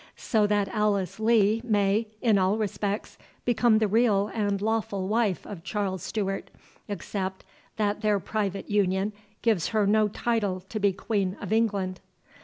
So that Alice Lee may, in all respects, become the real and lawful wife of Charles Stewart, except that their private union gives her no title to be Queen of England."